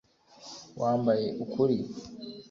wambaye ukuri!